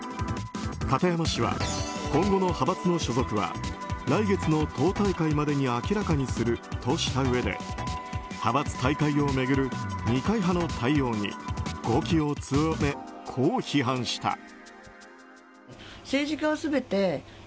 片山氏は、今後の派閥の所属は来月の党大会までに明らかにするとしたうえで派閥退会を巡る二階派の対応に語気を強め、こう批判した。